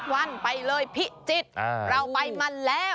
วันไปเลยพิจิตรเราไปมันแล้ว